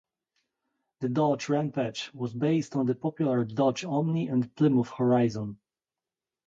The Dodge Rampage was based on the popular Dodge Omni and Plymouth Horizon.